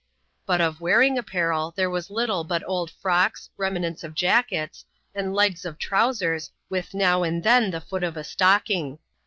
But of wearing apparel, there was little hoi old frocks, remnants of jackets, and legs of trowsers, with now and then the foot of a stocking.